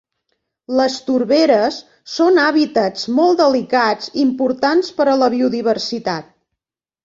Les torberes són hàbitats molt delicats, i importants per a la biodiversitat.